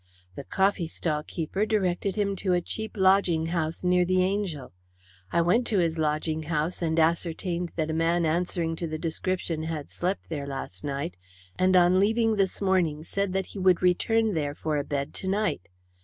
The coffeestall keeper directed him to a cheap lodging house near the Angel. I went to his lodging house, and ascertained that a man answering to the description had slept there last night, and on leaving this morning said that he would return there for a bed to night.